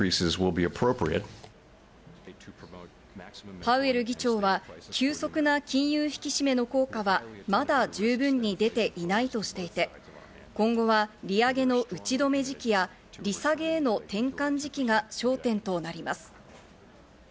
パウエル議長は急速な金融引き締めの効果はまだ十分に出ていないとしていて、今後は利上げの打ち止め時期や、利下げへの転換時期が焦点となります。